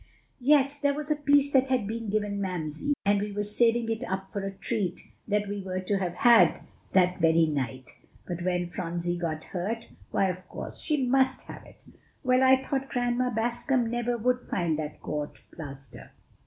"Yes, there was a piece that had been given Mamsie, and we were saving it up for a treat that we were to have had that very night; but when Phronsie got hurt, why, of course she must have it. Well, I thought Grandma Bascom never would find that court plaster.